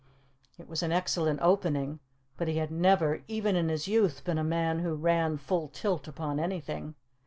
It was an excellent opening; but he had never, even in his youth, been a man who ran full tilt upon anything.